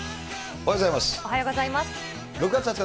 おはようございます。